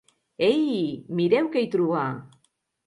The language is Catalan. Eiiiii, mireu què hi trobà!